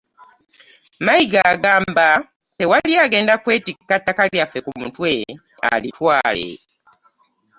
Mayiga agamba tewali agenda kwetikka ttaka lyaffe ku mutwe alitwale